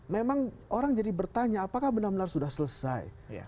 memang orang jadi bertanya apakah benar benar sudah selesai